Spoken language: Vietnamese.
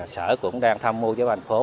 sở cũng đang tham mô với bàn phố